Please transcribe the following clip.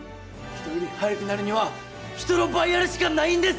人より早くなるには人の倍やるしかないんです！